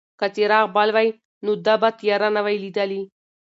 که څراغ بل وای نو ده به تیاره نه وای لیدلې.